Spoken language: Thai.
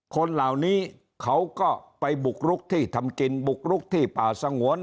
คนเหล่านี้เขาก็ไปบุกรุกที่ทำกินบุกรุกที่ป่าสงวน